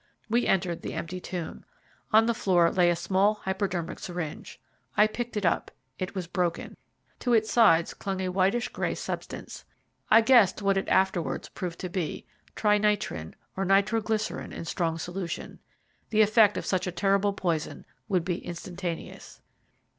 We entered the empty tomb. On the floor lay a small hypodermic syringe. I picked it up it was broken. To its sides clung a whitish gray substance. I guessed what it afterwards proved to be trinitrin, or nitro glycerine in strong solution. The effect of such a terrible poison would be instantaneous.